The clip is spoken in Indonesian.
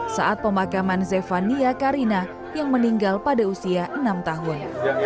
saat pemakaman zefania karina yang meninggal pada usia enam tahun